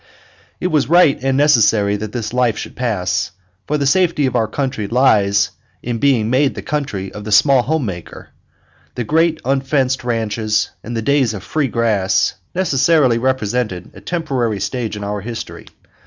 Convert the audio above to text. It was right and necessary that this life should pass, for the safety of our country lies in its being made the country of the small home maker. The great unfenced ranches, in the days of "free grass," necessarily represented a temporary stage in our history.